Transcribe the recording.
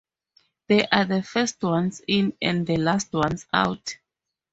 They are the first ones in and the last ones out.